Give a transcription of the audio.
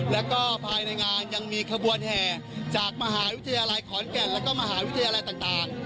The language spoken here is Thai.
แล้วก็ภายในงานยังมีขบวนแห่จากมหาวิทยาลัยขอนแก่นแล้วก็มหาวิทยาลัยต่าง